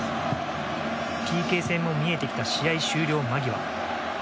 ＰＫ戦も見えてきた試合終了間際。